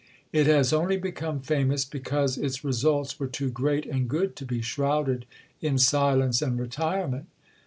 It has only become famous because its results were too great and good to be shrouded in silence and retirement.